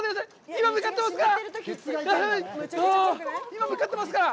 今、向かってますから！